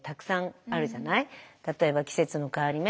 例えば季節の変わり目。